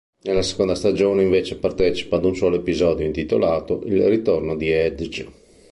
Nella seconda stagione invece partecipa ad un solo episodio, intitolato: "Il ritorno di Edge".